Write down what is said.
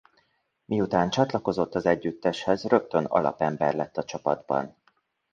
Miután csatlakozott az együtteshez rögtön alapember lett a csapatban.